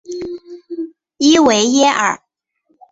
伊维耶尔。